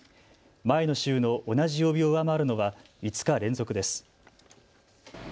前の週の同じ曜日を上回るのは５日連続です。